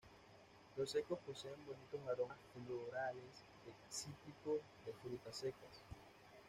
Los secos poseen bonitos aromas florales, de cítricos, de frutas secas.